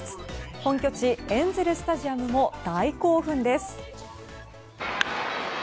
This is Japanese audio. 本拠地エンゼル・スタジアムも大興奮です。